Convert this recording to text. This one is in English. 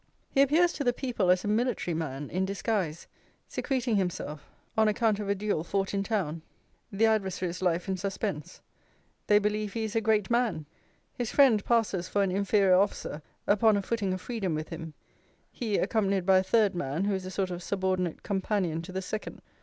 He appears to the people as a military man, in disguise, secreting himself on account of a duel fought in town; the adversary's life in suspense. They believe he is a great man. His friend passes for an inferior officer; upon a footing of freedom with him. He, accompanied by a third man, who is a sort of subordinate companion to the second.